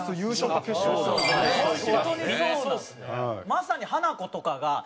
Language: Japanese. まさにハナコとかが。